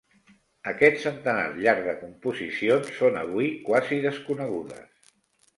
Aquest centenar llarg de composicions són avui quasi desconegudes.